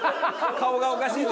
顔がおかしいぞ！